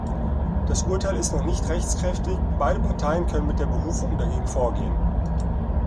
Das Urteil ist noch nicht rechtskräftig, beide Parteien können mit der Berufung dagegen vorgehen.